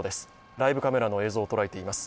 ライブカメラの映像を捉えています。